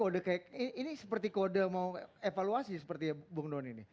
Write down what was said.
dan ini seperti kode mau evaluasi seperti bung doni